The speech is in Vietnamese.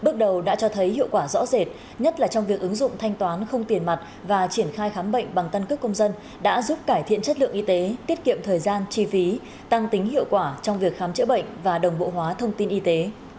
bước đầu đã cho thấy hiệu quả rõ rệt nhất là trong việc ứng dụng thanh toán không tiền mặt và triển khai khám bệnh bằng căn cước công dân đã giúp cải thiện chất lượng y tế tiết kiệm thời gian chi phí tăng tính hiệu quả trong việc khám chữa bệnh và đồng bộ hóa thông tin y tế